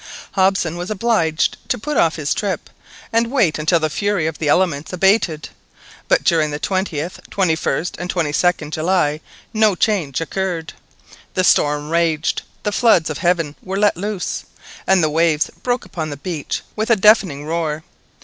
Hobson was obliged to put off his trip, and wait until the fury of the elements abated, but during the 20th, 2lst, and 22d July, no change occurred. The storm raged, the floods of heaven were let loose, and the waves broke upon the beach with a deafening roar.